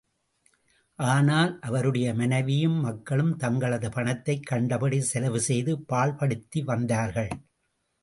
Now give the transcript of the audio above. ஆனால் அவருடைய மனைவியும் மக்களும் தங்களது பணத்தைக் கண்டபடி செலவு செய்து பாழ்படுத்தி வந்தார்கள்.